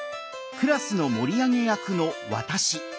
クラスの盛り上げ役の「わたし」。